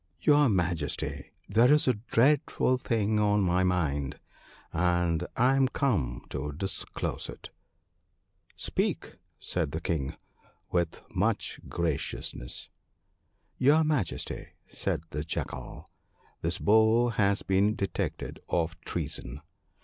* Your Majesty, there is a dreadful thing on my mind, and I am come to disclose it.' * Speak !' said the King, with much graciousness. 'Your Majesty/ said the Jackal, 'this Bull has been detected of treason.